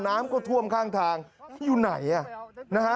น้ำก็ท่วมข้างทางอยู่ไหนอ่ะนะฮะ